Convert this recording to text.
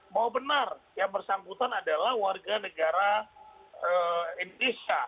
bahwa benar yang bersangkutan adalah warga negara indonesia